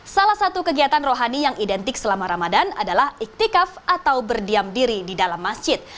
salah satu kegiatan rohani yang identik selama ramadan adalah iktikaf atau berdiam diri di dalam masjid